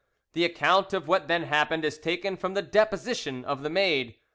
The account of what then happened is taken from the deposition of the maid.